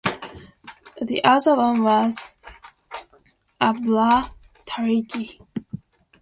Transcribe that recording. The other one was Abdullah Tariki.